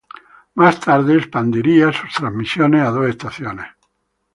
Más tarde, expandiría sus transmisiones a dos estaciones.